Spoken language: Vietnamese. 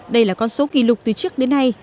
đây là con số kỷ lục từ trước đến nay